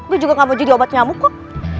gue juga gak mau jadi obat nyamuk kok